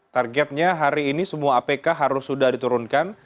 targetnya hari ini semua apk harus sudah diturunkan